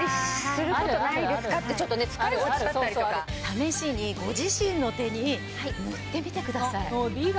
試しにご自身の手に塗ってみてください。